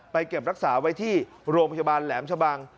เก็บรักษาไว้ที่โรงพยาบาลแหลมชะบัง